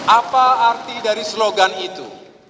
apa arti dari slogan itu